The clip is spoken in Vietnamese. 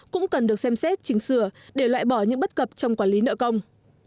cũng cần được xem xét chỉnh sửa để loại bỏ những bất cập trong quản lý nợ công